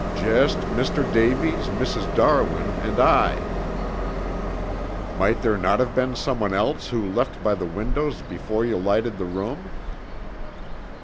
"Just Mr. Davies, Mrs. Darwin, and I." "Might there not have been someone else who left by the windows before you lighted the room?"